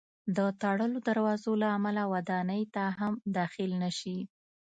د تړلو دروازو له امله ودانۍ ته هم داخل نه شي.